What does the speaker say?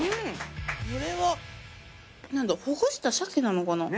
これはほぐした鮭なのかな？